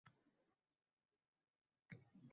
Sahnada arqon baland qilib, tarang tortilgan boʻladi.